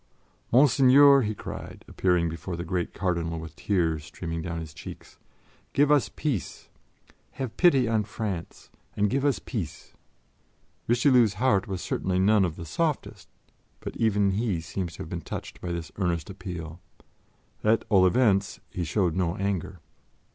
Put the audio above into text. "Monseigneur!" he cried, appearing before the great Cardinal with tears streaming down his cheeks, "give us peace! Have pity on France and give us peace." Richelieu's heart was certainly none of the softest, but even he seems to have been touched by this earnest appeal. At all events, he showed no anger.